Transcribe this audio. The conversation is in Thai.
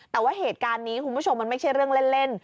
แต่ว่าเหตุการณ์นี้คุณผู้ชมมันไม่ใช่เรื่องเล่น